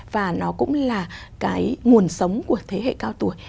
và nó cũng là cái nguồn sống của thế hệ cao tuổi